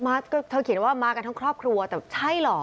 มาก็เธอเขียนว่ามากันทั้งครอบครัวแต่ใช่เหรอ